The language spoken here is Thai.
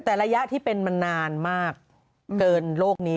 แต่ระยะที่เป็นมานานมากเกินโลกนี้